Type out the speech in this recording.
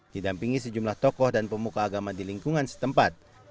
didampingi sejumlah tokoh dan pemuka agama di lingkungan setempat